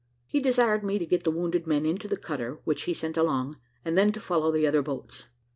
He desired me to get the wounded men into the cutter which he sent alongside, and then to follow the other boats.